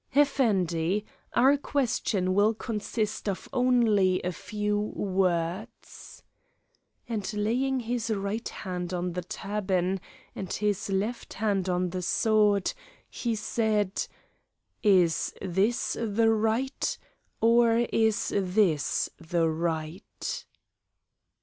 "Effendi, our question will consist of only a few words." And laying his right hand on the turban and his left hand on the sword, he said: "Is this the right, or is this the right?"